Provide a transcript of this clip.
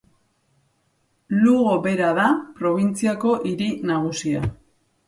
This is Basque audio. Lugo bera da probintziako hiri nagusia.